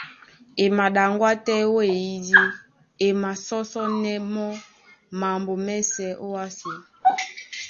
E maɗaŋgwá tɛ́ ó ó eyídí, e masɔ́sɔ́nɛ́ mɔ́ mambo mɛ́sɛ̄ ówásē.